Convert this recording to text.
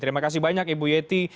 terima kasih banyak ibu yeti